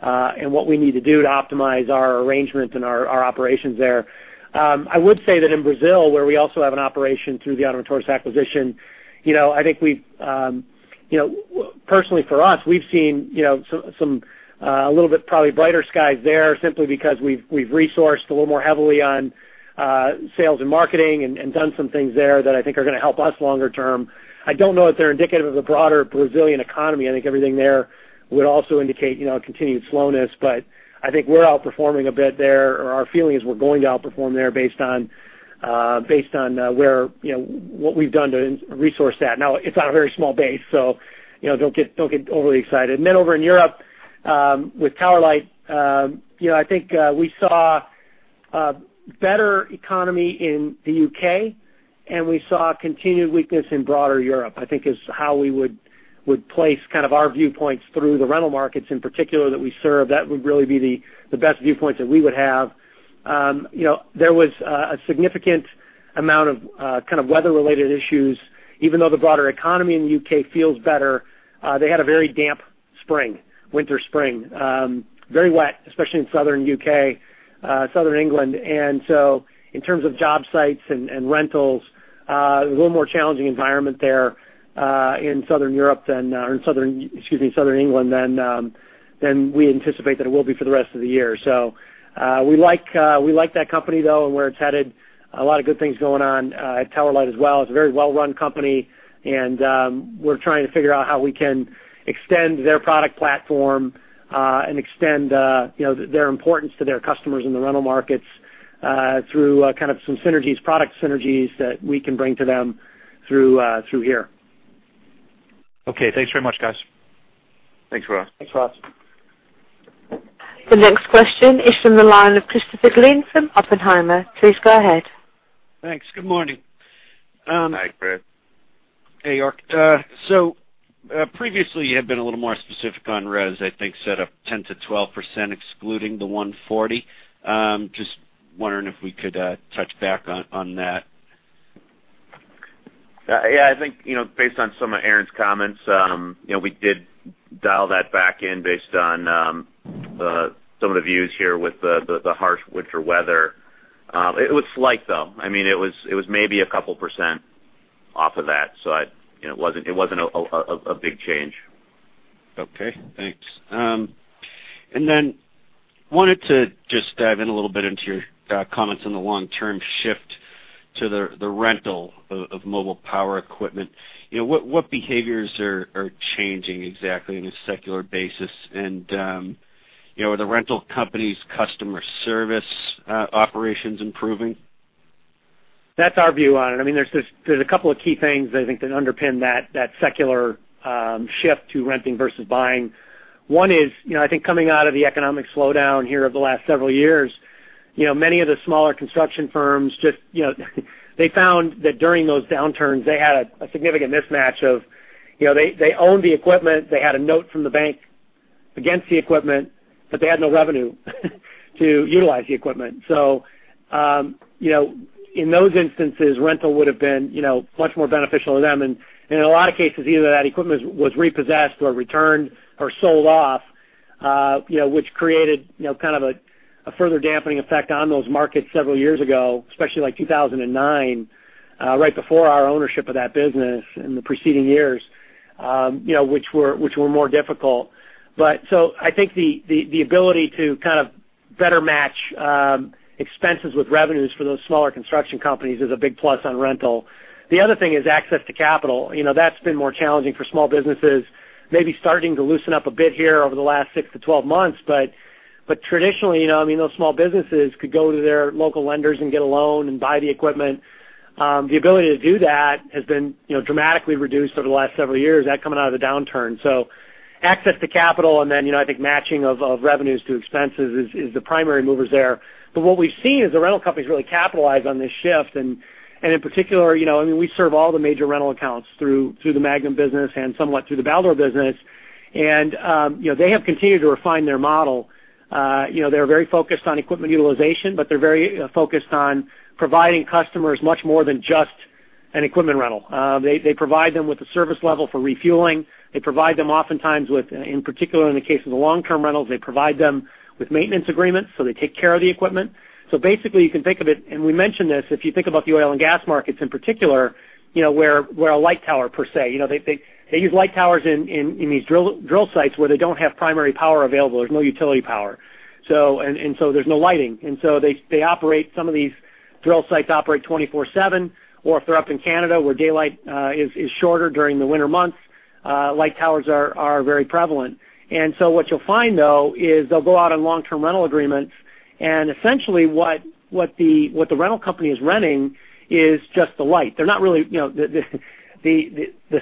and what we need to do to optimize our arrangement and our operations there. I would say that in Brazil, where we also have an operation through the Ottomotores acquisition, personally for us, we've seen a little bit probably brighter skies there simply because we've resourced a little more heavily on sales and marketing and done some things there that I think are going to help us longer-term. I don't know if they're indicative of the broader Brazilian economy. I think everything there would also indicate continued slowness, I think we're outperforming a bit there, or our feeling is we're going to outperform there based on what we've done to resource that. It's on a very small base, don't get overly excited. Over in Europe, with Tower Light, I think we saw a better economy in the U.K., and we saw continued weakness in broader Europe, I think is how we would place kind of our viewpoints through the rental markets in particular that we serve. That would really be the best viewpoints that we would have. There was a significant amount of weather-related issues. Even though the broader economy in the U.K. feels better, they had a very damp spring, winter-spring. Very wet, especially in Southern U.K., Southern England. In terms of job sites and rentals, a little more challenging environment there in Southern Europe than, or in Southern, excuse me, Southern England than we anticipate that it will be for the rest of the year. We like that company, though, and where it's headed. A lot of good things going on at Tower Light as well. It's a very well-run company, and we're trying to figure out how we can extend their product platform, and extend their importance to their customers in the rental markets, through some synergies, product synergies that we can bring to them through here. Okay, thanks very much, guys. Thanks, Ross. Thanks, Ross. The next question is from the line of Christopher Glynn from Oppenheimer. Please go ahead. Thanks. Good morning. Hi, Chris. Hey, York. Previously you had been a little more specific on RES, I think, set up 10%-12% excluding the $140 million. Just wondering if we could touch back on that. I think, based on some of Aaron's comments, we did dial that back in based on some of the views here with the harsh winter weather. It was slight, though. It was maybe a couple percent off of that. It wasn't a big change. Okay, thanks. Then wanted to just dive in a little bit into your comments on the long-term shift to the rental of mobile power equipment. What behaviors are changing exactly on a secular basis? Are the rental companies' customer service operations improving? That's our view on it. There's a couple of key things, I think, that underpin that secular shift to renting versus buying. One is, I think coming out of the economic slowdown here over the last several years, many of the smaller construction firms they found that during those downturns, they had a significant mismatch of, they owned the equipment, they had a note from the bank against the equipment, but they had no revenue to utilize the equipment. In those instances, rental would've been much more beneficial to them. In a lot of cases, either that equipment was repossessed or returned or sold off, which created kind of a further dampening effect on those markets several years ago, especially like 2009, right before our ownership of that business in the preceding years, which were more difficult. I think the ability to kind of better match expenses with revenues for those smaller construction companies is a big plus on rental. The other thing is access to capital. That's been more challenging for small businesses, maybe starting to loosen up a bit here over the last 6-12 months, but traditionally, those small businesses could go to their local lenders and get a loan and buy the equipment. The ability to do that has been dramatically reduced over the last several years, that coming out of the downturn. Access to capital and then, I think matching of revenues to expenses is the primary movers there. What we've seen is the rental companies really capitalize on this shift, and in particular, we serve all the major rental accounts through the Magnum business and somewhat through the Baldor business. They have continued to refine their model. They're very focused on equipment utilization, but they're very focused on providing customers much more than just an equipment rental. They provide them with a service level for refueling. They provide them oftentimes with, in particular in the case of the long-term rentals, they provide them with maintenance agreements, so they take care of the equipment. Basically, you can think of it, and we mentioned this, if you think about the oil and gas markets in particular, where a light tower per se, they use light towers in these drill sites where they don't have primary power available. There's no utility power. There's no lighting. They operate some of these drill sites operate 24/7, or if they're up in Canada, where daylight is shorter during the winter months, light towers are very prevalent. What you'll find, though, is they'll go out on long-term rental agreements, and essentially what the rental company is renting is just the light. The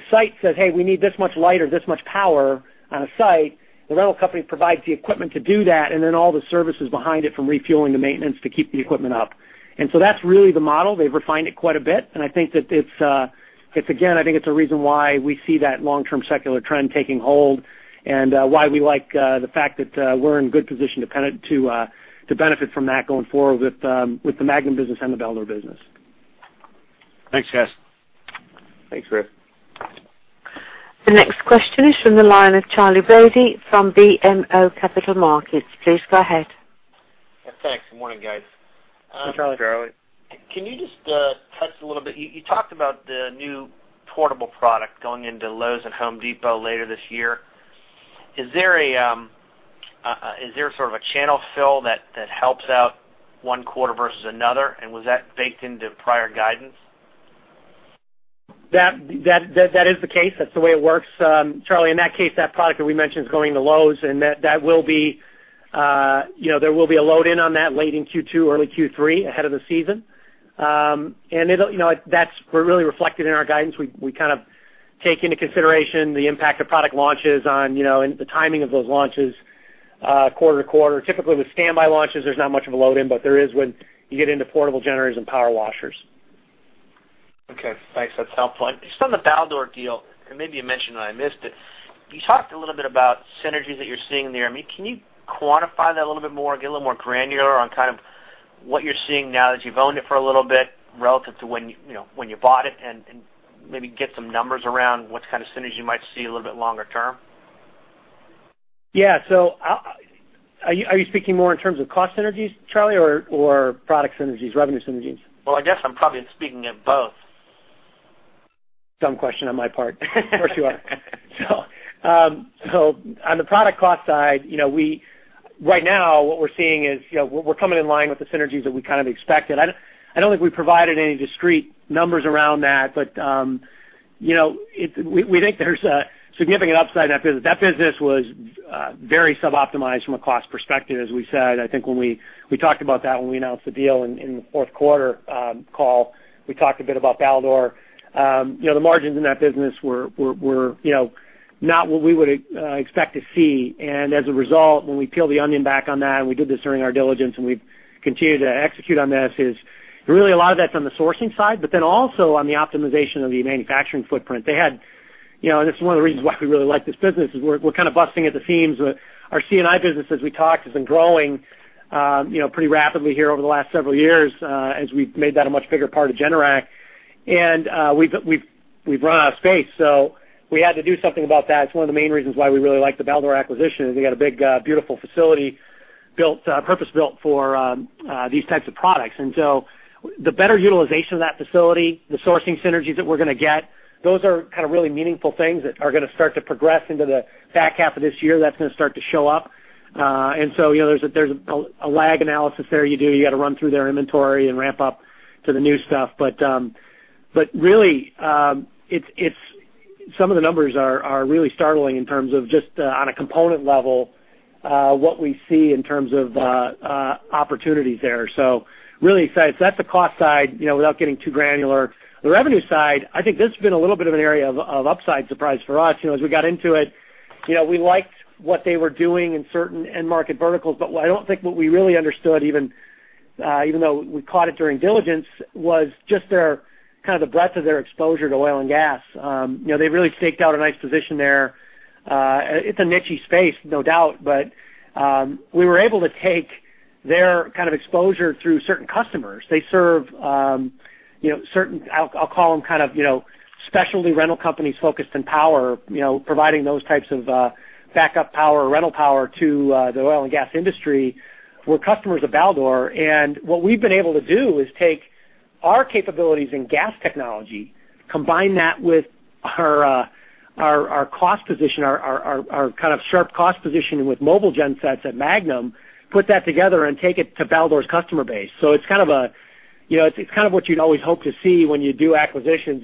site says, "Hey, we need this much light or this much power on a site." The rental company provides the equipment to do that, and then all the services behind it from refueling to maintenance to keep the equipment up. That's really the model. They've refined it quite a bit, and I think that it's, again, I think it's a reason why we see that long-term secular trend taking hold and why we like the fact that we're in good position to benefit from that going forward with the Magnum business and the Baldor business. Thanks, guys. Thanks, Rick. The next question is from the line of Charley Brady from BMO Capital Markets. Please go ahead. Yeah, thanks. Good morning, guys. Hey, Charley. Hey, Charley. Can you just touch a little bit, you talked about the new portable product going into Lowe's and The Home Depot later this year. Is there sort of a channel fill that helps out one quarter versus another? Was that baked into prior guidance? That is the case. That's the way it works. Charley, in that case, that product that we mentioned is going to Lowe's, and there will be a load in on that late in Q2, early Q3 ahead of the season. That's really reflected in our guidance. We kind of take into consideration the impact of product launches and the timing of those launches, quarter-to-quarter. Typically, with standby launches, there's not much of a load in, but there is when you get into portable generators and power washers. Okay, thanks. That's helpful. Just on the Baldor deal, and maybe you mentioned and I missed it, you talked a little bit about synergies that you're seeing there. Can you quantify that a little bit more and get a little more granular on kind of what you're seeing now that you've owned it for a little bit relative to when you bought it, maybe get some numbers around what kind of synergy you might see a little bit longer-term? Yeah. Are you speaking more in terms of cost synergies, Charley, or product synergies, revenue synergies? Well, I guess I'm probably speaking of both. Dumb question on my part. Of course you are. On the product cost side, right now what we're seeing is we're coming in line with the synergies that we kind of expected. I don't think we provided any discrete numbers around that, but we think there's a significant upside in that business. That business was very sub-optimized from a cost perspective, as we said. I think we talked about that when we announced the deal in the fourth quarter call. We talked a bit about Baldor. The margins in that business were not what we would expect to see. As a result, when we peel the onion back on that, and we did this during our diligence, and we've continued to execute on this, is really a lot of that's on the sourcing side, but then also on the optimization of the manufacturing footprint. It's one of the reasons why we really like this business is we're kind of busting at the seams with our C&I business, as we talked, has been growing pretty rapidly here over the last several years, as we've made that a much bigger part of Generac. We've run out of space, so we had to do something about that. It's one of the main reasons why we really like the Baldor acquisition, is they got a big, beautiful facility purpose-built for these types of products. The better utilization of that facility, the sourcing synergies that we're going to get, those are kind of really meaningful things that are going to start to progress into the back half of this year. That's going to start to show up. There's a lag analysis there you do. You got to run through their inventory and ramp up to the new stuff. Really, some of the numbers are really startling in terms of just on a component level, what we see in terms of opportunities there. Really excited. That's the cost side, without getting too granular. The revenue side, I think this has been a little bit of an area of upside surprise for us. As we got into it, we liked what they were doing in certain end market verticals, but what I don't think we really understood, even though we caught it during diligence, was just kind of the breadth of their exposure to oil and gas. They really staked out a nice position there. It's a niche-y space, no doubt, but we were able to take their kind of exposure through certain customers. They serve certain, I'll call them kind of specialty rental companies focused in power, providing those types of backup power, rental power to the oil and gas industry, were customers of Baldor. What we've been able to do is take our capabilities in gas technology, combine that with our cost position, our kind of sharp cost position with mobile gensets at Magnum, put that together and take it to Baldor's customer base. It's kind of what you'd always hope to see when you do acquisitions,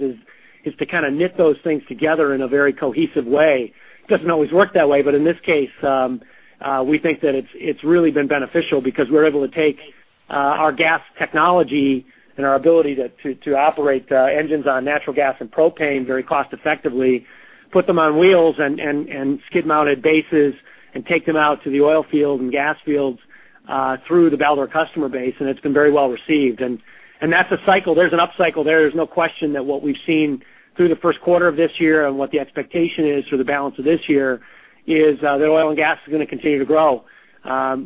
is to kind of knit those things together in a very cohesive way. It doesn't always work that way, but in this case, we think that it's really been beneficial because we're able to take our gas technology and our ability to operate engines on natural gas and propane very cost effectively, put them on wheels and skid-mounted bases and take them out to the oil fields and gas fields, through the Baldor customer base, and it's been very well received. That's a cycle. There's an upcycle there. There's no question that what we've seen through the first quarter of this year and what the expectation is for the balance of this year is that oil and gas is going to continue to grow.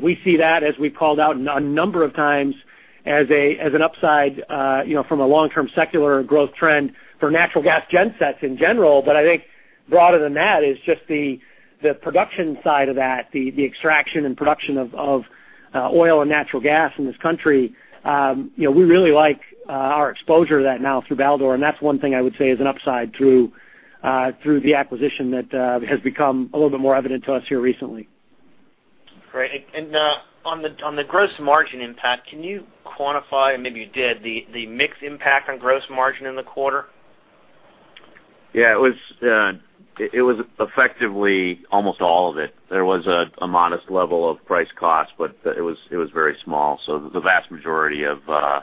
We see that, as we've called out a number of times, as an upside, from a long-term secular growth trend for natural gas gensets in general. I think broader than that is just the production side of that, the extraction and production of oil and natural gas in this country. We really like our exposure to that now through Baldor, that's one thing I would say is an upside through the acquisition that has become a little bit more evident to us here recently. Great. On the gross margin impact, can you quantify, or maybe you did, the mix impact on gross margin in the quarter? Yeah, it was effectively almost all of it. There was a modest level of price cost, but it was very small. The vast majority of the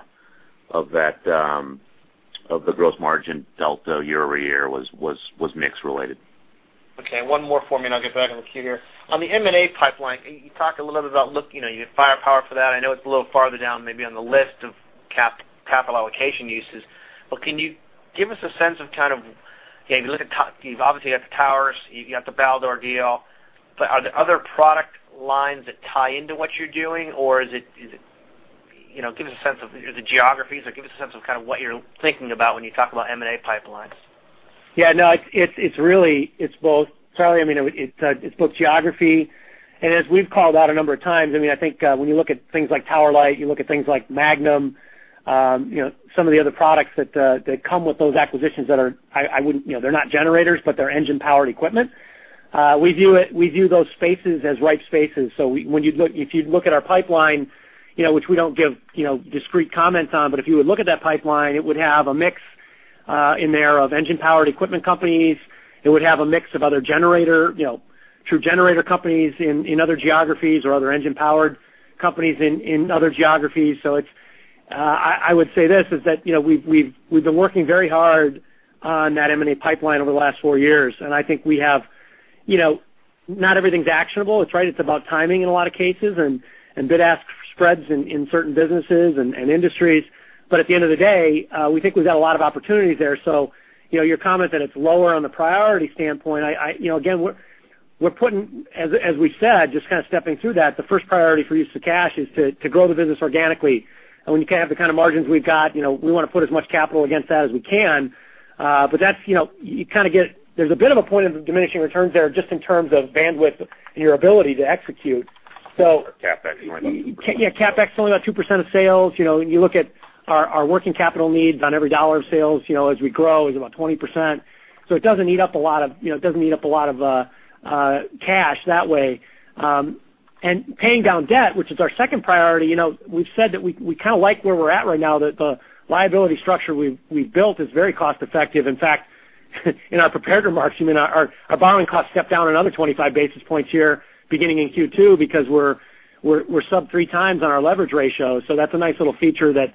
gross margin delta year-over-year was mix related. Okay, one more for me, and I'll get back on the queue here. On the M&A pipeline, you talked a little bit about looking, you had firepower for that. I know it's a little farther down maybe on the list of capital allocation uses, but can you give us a sense of kind of, you've obviously got the towers, you've got the Baldor deal, but are there other product lines that tie into what you're doing? Give us a sense of the geographies, or give us a sense of kind of what you're thinking about when you talk about M&A pipelines. Yeah, no, it's both. Charley, it's both geography, and as we've called out a number of times, I think when you look at things like Tower Light, you look at things like Magnum, some of the other products that come with those acquisitions that are not generators, but they're engine-powered equipment. We view those spaces as ripe spaces. If you look at our pipeline, which we don't give discrete comments on, but if you would look at that pipeline, it would have a mix in there of engine-powered equipment companies. It would have a mix of other true generator companies in other geographies or other engine-powered companies in other geographies. I would say this, is that we've been working very hard on that M&A pipeline over the last four years, and I think not everything's actionable. It's about timing in a lot of cases and bid-ask spreads in certain businesses and industries. At the end of the day, we think we've got a lot of opportunities there. Your comment that it's lower on the priority standpoint, again, as we said, just kind of stepping through that, the first priority for use of cash is to grow the business organically. When you have the kind of margins we've got, we want to put as much capital against that as we can. There's a bit of a point of diminishing returns there, just in terms of bandwidth and your ability to execute. CapEx might be- Yeah, CapEx is only about 2% of sales. You look at our working capital needs on every dollar of sales, as we grow, is about 20%. It doesn't eat up a lot of cash that way. Paying down debt, which is our second priority, we've said that we kind of like where we're at right now, that the liability structure we've built is very cost effective. In fact, in our prepared remarks, our borrowing costs stepped down another 25 basis points here beginning in Q2 because we're sub 3x on our leverage ratio. That's a nice little feature that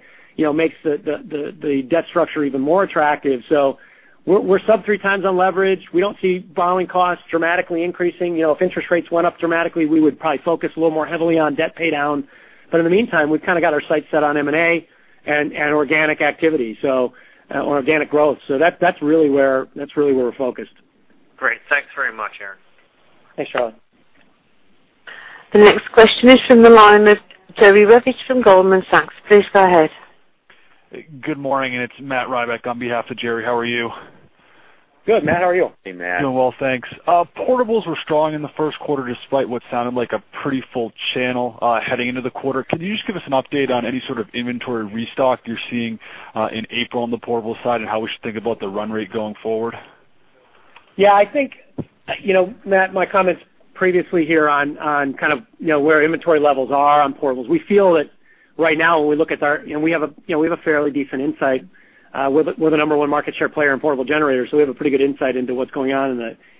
makes the debt structure even more attractive. We're sub 3x on leverage. We don't see borrowing costs dramatically increasing. If interest rates went up dramatically, we would probably focus a little more heavily on debt paydown. In the meantime, we've kind of got our sights set on M&A and organic activity or organic growth. That's really where we're focused. Great. Thanks very much, Aaron. Thanks, Charley. The next question is from the line of Jerry Revich from Goldman Sachs. Please go ahead. Good morning. It's Matt Rybak on behalf of Jerry. How are you? Good, Matt. How are you? Hey, Matt. Doing well, thanks. Portables were strong in the first quarter, despite what sounded like a pretty full channel heading into the quarter. Could you just give us an update on any sort of inventory restock you're seeing in April on the portable side and how we should think about the run rate going forward? Yeah, I think, Matt, my comments previously here on kind of where inventory levels are on portables. We feel that right now when we look at our We have a fairly decent insight. We're the number one market share player in portable generators, so we have a pretty good insight into what's going on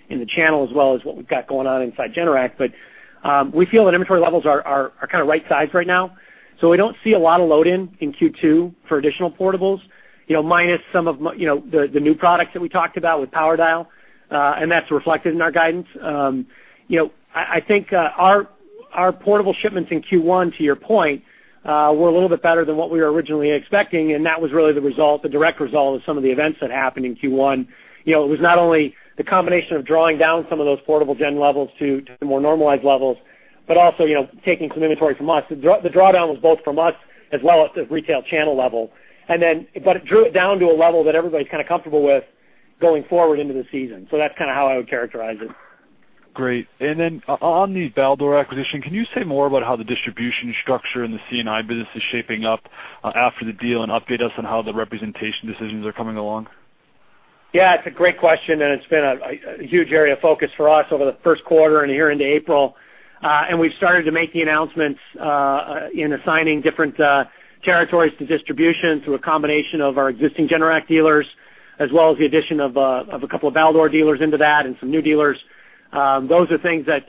in the channel as well as what we've got going on inside Generac. We feel that inventory levels are kind of right-sized right now. We don't see a lot of load in in Q2 for additional portables, minus some of the new products that we talked about with PowerDial. That's reflected in our guidance. I think our portable shipments in Q1, to your point, were a little bit better than what we were originally expecting, and that was really the direct result of some of the events that happened in Q1. It was not only the combination of drawing down some of those portable gen levels to more normalized levels, but also taking some inventory from us. The drawdown was both from us as well as the retail channel level. It drew it down to a level that everybody's kind of comfortable with going forward into the season. That's kind of how I would characterize it. Great. On the Baldor acquisition, can you say more about how the distribution structure in the C&I business is shaping up after the deal and update us on how the representation decisions are coming along? Yeah, it's a great question, and it's been a huge area of focus for us over the first quarter and here into April. We've started to make the announcements in assigning different territories to distribution through a combination of our existing Generac dealers, as well as the addition of a couple of Baldor dealers into that and some new dealers. Those are things that's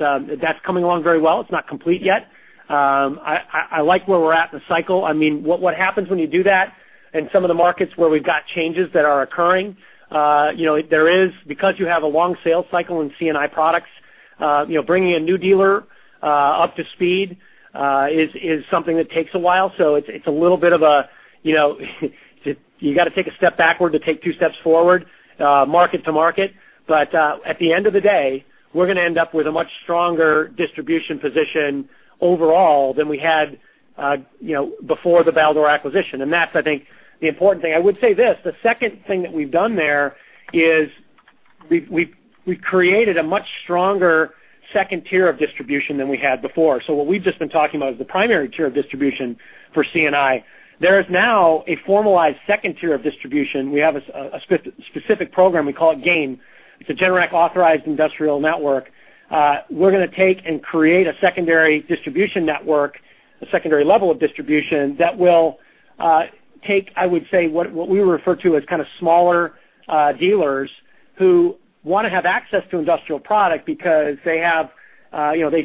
coming along very well. It's not complete yet. I like where we're at in the cycle. What happens when you do that in some of the markets where we've got changes that are occurring, because you have a long sales cycle in C&I products, bringing a new dealer up to speed is something that takes a while. It's a little bit of a you got to take a step backward to take two steps forward market to market. At the end of the day, we're going to end up with a much stronger distribution position overall than we had before the Baldor acquisition. That's, I think, the important thing. I would say this, the second thing that we've done there is we've created a much stronger second tier of distribution than we had before. What we've just been talking about is the primary tier of distribution for C&I. There is now a formalized second tier of distribution. We have a specific program. We call it GAIN. It's a Generac Authorized Industrial Network. We're going to take and create a secondary distribution network, a secondary level of distribution that will take, I would say, what we refer to as kind of smaller dealers who want to have access to industrial product because they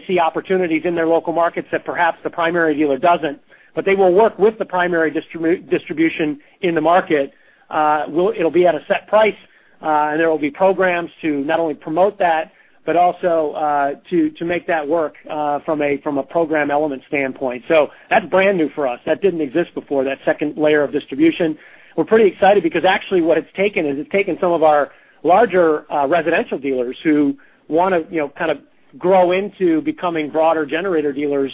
see opportunities in their local markets that perhaps the primary dealer doesn't. They will work with the primary distribution in the market. It'll be at a set price, there will be programs to not only promote that, but also to make that work from a program element standpoint. That's brand new for us. That didn't exist before, that second layer of distribution. We're pretty excited because actually what it's taken is it's taken some of our larger residential dealers who want to kind of grow into becoming broader generator dealers,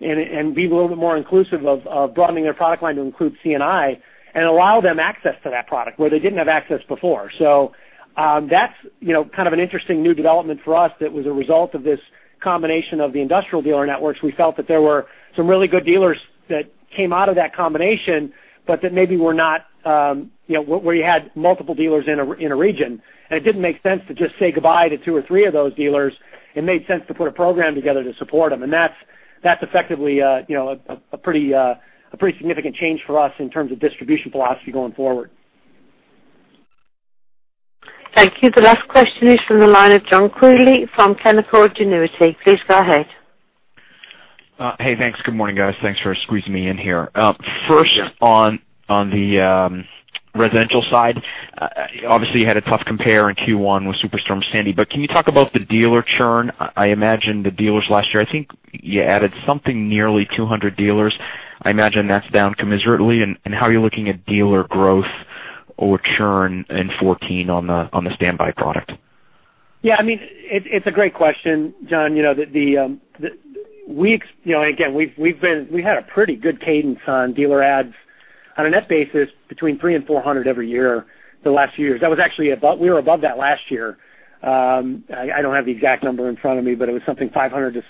and be a little bit more inclusive of broadening their product line to include C&I and allow them access to that product where they didn't have access before. That's kind of an interesting new development for us that was a result of this combination of the industrial dealer networks. We felt that there were some really good dealers that came out of that combination, but that maybe we had multiple dealers in a region. It didn't make sense to just say goodbye to two or three of those dealers. It made sense to put a program together to support them, that's effectively a pretty significant change for us in terms of distribution philosophy going forward. Thank you. The last question is from the line of John Quealy from Canaccord Genuity. Please go ahead. Hey, thanks. Good morning, guys. Thanks for squeezing me in here. Yeah. First on the residential side, obviously you had a tough compare in Q1 with Superstorm Sandy. Can you talk about the dealer churn? I imagine the dealers last year, I think you added something nearly 200 dealers. I imagine that's down commensurately. How are you looking at dealer growth or churn in 2014 on the standby product? Yeah, it's a great question, John. Again, we had a pretty good cadence on dealer adds on a net basis between 300 and 400 every year the last few years. We were above that last year. I don't have the exact number in front of me, it was something 500-550,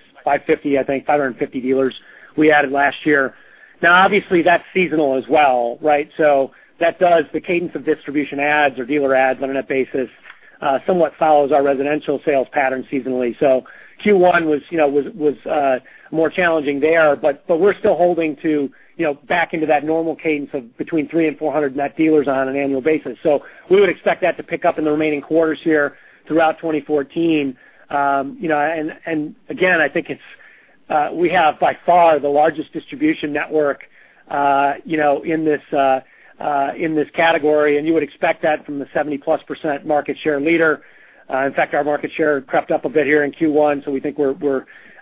I think, 550 dealers we added last year. Obviously that's seasonal as well, right? The cadence of distribution adds or dealer adds on a net basis somewhat follows our residential sales pattern seasonally. Q1 was more challenging there, we're still holding to back into that normal cadence of between 300 and 400 net dealers on an annual basis. We would expect that to pick up in the remaining quarters here throughout 2014. Again, I think we have by far the largest distribution network in this category. You would expect that from the 70%+ market share leader. In fact, our market share crept up a bit here in Q1, we think we're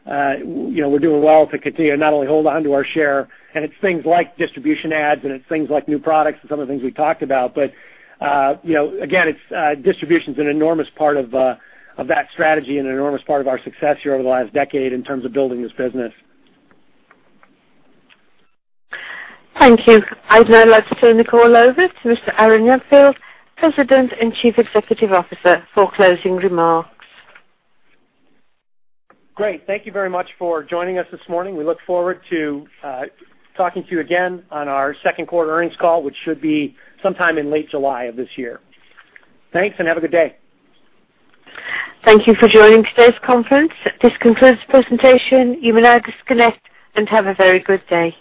doing well to continue to not only hold onto our share. It's things like distribution adds, it's things like new products and some of the things we talked about. Again, distribution is an enormous part of that strategy and an enormous part of our success here over the last decade in terms of building this business. Thank you. I'd now like to turn the call over to Mr. Aaron Jagdfeld, President and Chief Executive Officer, for closing remarks. Great. Thank you very much for joining us this morning. We look forward to talking to you again on our second quarter earnings call, which should be sometime in late July of this year. Thanks. Have a good day. Thank you for joining today's conference. This concludes the presentation. You may now disconnect and have a very good day.